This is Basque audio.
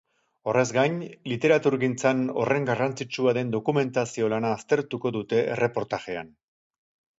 Horrez gain, literaturgintzan horren garrantzitsua den dokumentazio lana aztertuko dute erreportajean.